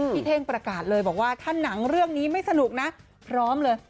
เท่งประกาศเลยบอกว่าถ้าหนังเรื่องนี้ไม่สนุกนะพร้อมเลย